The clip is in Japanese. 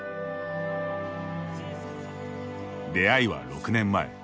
出会いは６年前。